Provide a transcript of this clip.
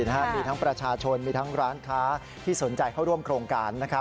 มีทั้งประชาชนมีทั้งร้านค้าที่สนใจเข้าร่วมโครงการ